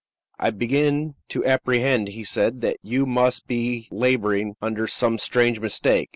"I begin to apprehend," he said, "that you must be la boring under some strange mistake.